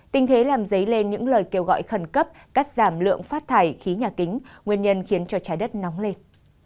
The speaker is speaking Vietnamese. tình thế làm dấy lên những lời kêu gọi khẩn cấp cắt giảm lượng phát thải khí nhà kính nguyên nhân khiến cho trái đất nóng lên